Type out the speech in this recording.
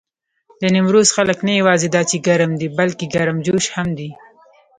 د نيمروز خلک نه یواځې دا چې ګرم دي، بلکې ګرمجوش هم دي.